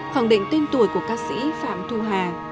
khẳng định tên tuổi của ca sĩ phạm thịnh